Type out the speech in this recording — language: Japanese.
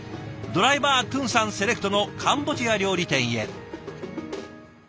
ドライバートゥンさんセレクトのカンボジア料理店へ。